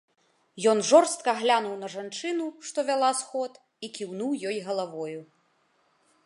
Ён жорстка глянуў на жанчыну, што вяла сход, і кіўнуў ёй галавою.